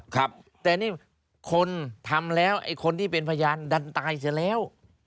แต่อันนี้คนทำแล้วคนที่เป็นพยานดันตายเสียแล้ว